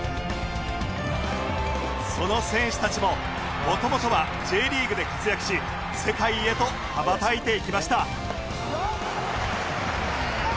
その選手たちも元々は Ｊ リーグで活躍し世界へと羽ばたいていきました